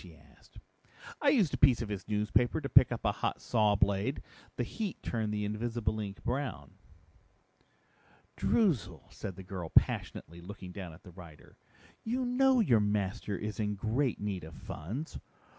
she asked. "I used a piece of his newspaper to pick up a hot saw blade. The heat turned the invisible ink brown." "Droozle," said the girl passionately, looking down at the writer, "you know your master is in great need of funds.